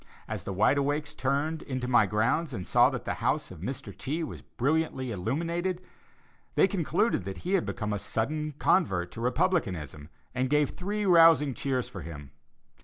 As the Wide Awakes turned into my grounds and saw that the house of Mr. T. was brilliantly illuminated, they concluded that he had become a sudden convert to Republicanism, and gave three rousing cheers for him.